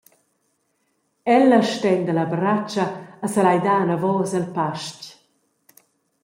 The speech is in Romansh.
Ella stenda la bratscha e selai dar anavos el pastg.